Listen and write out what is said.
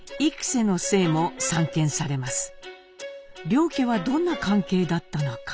両家はどんな関係だったのか？